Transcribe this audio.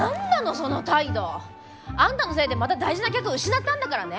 その態度！あんたのせいでまた大事な客を失ったんだからね。